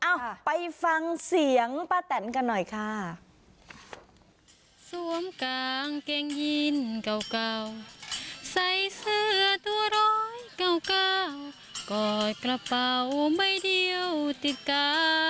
เอ้าไปฟังเสียงป้าแตนกันหน่อยค่ะ